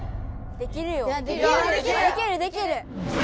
できるできる！